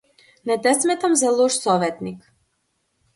Не те сметам за лош советник.